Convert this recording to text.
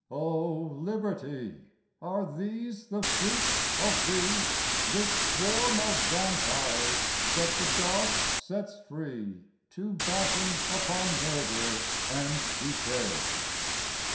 O Liberty, are these the fruits of thee This swarm of vampires that the dark sets free, To batten upon murder, and decay?